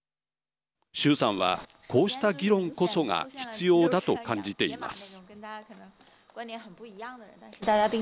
周さんはこうした議論こそが必要だと感じています。